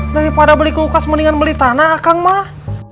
daripada beli kulkas mendingan beli tanah akang mah